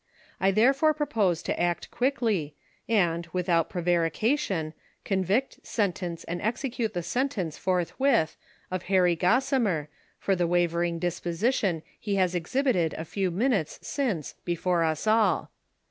I therefore propose to act quickly, and, without prevarication, convict, sentence and execute the sentence fortliwith, of Harry Gossimer, for the wavering disposition he has exliibited a few minutes since before us all.